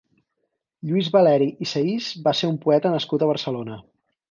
Lluís Valeri i Sahís va ser un poeta nascut a Barcelona.